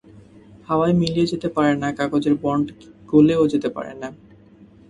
হাওয়ায় মিলিয়ে যেতে পারে না, কাগজের বন্ড গলেও যেতে পারে না।